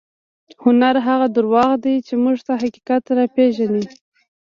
هنر هغه درواغ دي چې موږ ته حقیقت راپېژني.